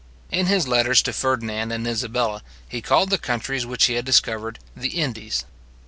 In his letters to Ferdinand and Isabella, he called the countries which he had discovered the Indies.